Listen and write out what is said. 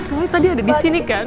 pokoknya tadi ada di sini kan